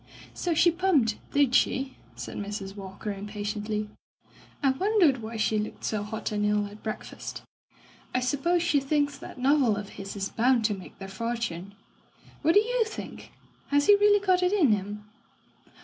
"So she pumped, did she?" said Mrs. Walker impatiently. "I wondered why she looked so hot and ill at breakfast. I suppose she thinks that novel of his is bound to make their fortune. ... What do you think ? Has he really got it in him?'